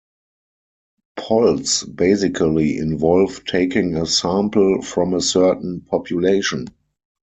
Polls basically involve taking a sample from a certain population.